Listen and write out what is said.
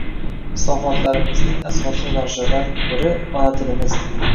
Islohotlarimizning asosiy yoʻnalishlaridan biri ona tilimiz.